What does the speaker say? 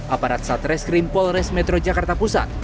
aparat satreskrim polres metro jakarta pusat